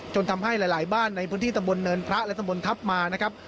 ทำให้หลายบ้านในพื้นที่ตำบลเนินพระและตำบลทัพมานะครับ